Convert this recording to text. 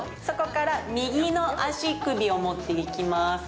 そこから右の足首を持っていきます。